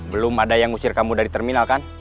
belum ada yang ngusir kamu dari terminal kan